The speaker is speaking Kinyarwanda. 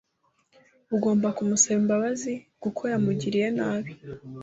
Ugomba kumusaba imbabazi kuko yamugiriye nabi.